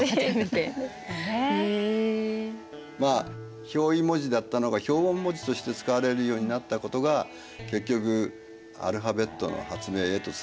まあ表意文字だったのが表音文字として使われるようになったことが結局アルファベットの発明へとつながっていくことになるわけですね。